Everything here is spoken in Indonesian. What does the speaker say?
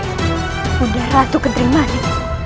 ibu nda ratu kederimani